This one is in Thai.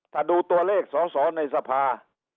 ถ้าดูตัวเลขสอสอในสภา